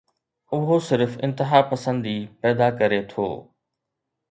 اهو صرف انتهاپسندي پيدا ڪري ٿو.